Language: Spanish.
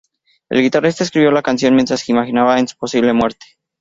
El guitarrista escribió la canción mientras imaginaba en su posible muerte.